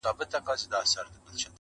بیا مي ګوم ظالم ارمان په کاڼو ولي,